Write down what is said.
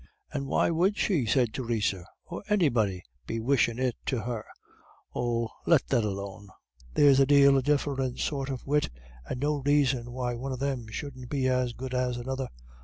"And why would she," said Theresa, "or anybody be wishin' it to her? Oh, let that alone. There's a dale of diff'rint sorts of wit, and no raison why one of them shouldn't be as good as another.